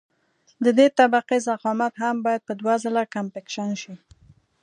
د دې طبقې ضخامت هم باید په دوه ځله کمپکشن شي